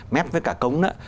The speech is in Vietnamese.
mép với cả cống đó